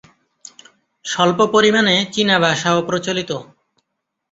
স্বল্প পরিমাণে চীনা ভাষাও প্রচলিত।